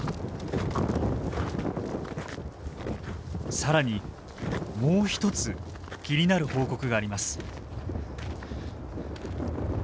更にもう一つ気になる報告があります。